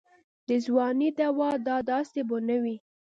د ځوانۍ دوا دا داسې به نه وي.